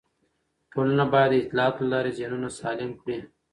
ټولنه باید د اطلاعاتو له لارې ذهنونه سالم کړي.